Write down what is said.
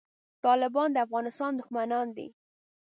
طالبان د افغانستان دښمنان دي